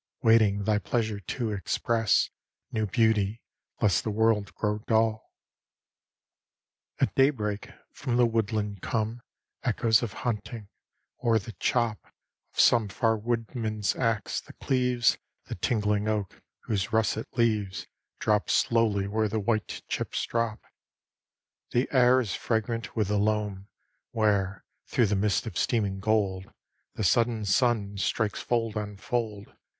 Waiting thy pleasure to express New beauty, lest the world grow dull. XXXV At daybreak from the woodland come Echoes of hunting; or the chop Of some far woodman's axe, that cleaves The tingling oak, whose russet leaves Drop slowly where the white chips drop: The air is fragrant with the loam, Where, through the mists of steaming gold, The sudden sun strikes fold on fold.